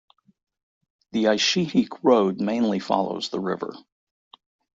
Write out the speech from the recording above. The Aishihik Road mainly follows the river.